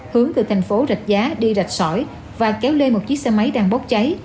hướng từ thành phố rạch giá đi rạch sỏi và kéo lên một chiếc xe máy đang bốc cháy